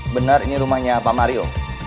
benar ini rumahnya pak mario